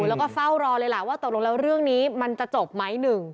แล้วก็เฝ้ารอเลยล่ะว่าตกลงแล้วเรื่องนี้มันจะจบไหม